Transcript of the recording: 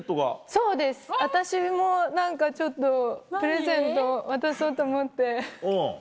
そうです私も何かちょっとプレゼント渡そうと思って。